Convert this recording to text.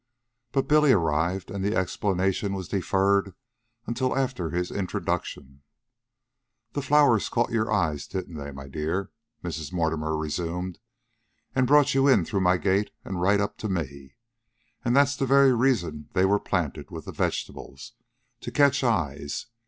But Billy arrived, and the explanation was deferred until after his introduction. "The flowers caught your eyes, didn't they, my dear?" Mrs. Mortimer resumed. "And brought you in through my gate and right up to me. And that's the very reason they were planted with the vegetables to catch eyes.